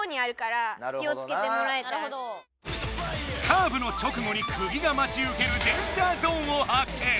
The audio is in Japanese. カーブの直後にクギがまちうけるデンジャーゾーンを発見！